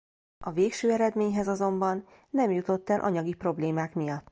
A végső eredményhez azonban nem jutott el anyagi problémák miatt.